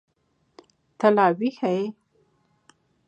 ته لا ويښه يې.